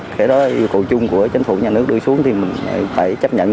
cái đó yêu cầu chung của chính phủ nhà nước đưa xuống thì mình phải chấp nhận